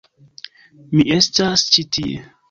Mi estas ĉi tie.